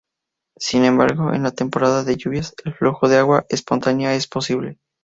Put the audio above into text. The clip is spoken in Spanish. Sin embargo, en la temporada de lluvias, el flujo de agua espontánea es posible.